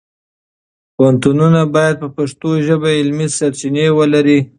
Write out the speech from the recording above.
پوهنتونونه باید په پښتو ژبه علمي سرچینې ولري.